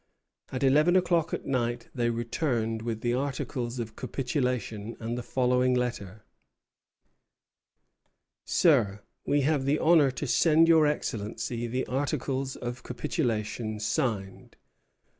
At eleven o'clock at night they returned with the articles of capitulation and the following letter: Sir, We have the honor to send your Excellency the articles of capitulation signed.